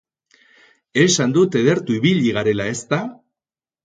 Esan dut ederto ibili garela ezta?